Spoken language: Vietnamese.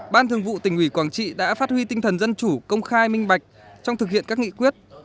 ban thường vụ tỉnh ủy quảng trị đã phát huy tinh thần dân chủ công khai minh bạch trong thực hiện các nghị quyết